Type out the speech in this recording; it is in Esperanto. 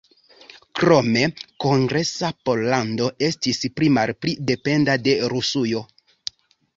Krome Kongresa Pollando estis pli-malpli dependa de Rusujo.